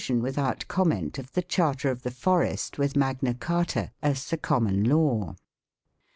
This is his inclusion without comment of the Charter of the Forest with Magna Carta as the common law.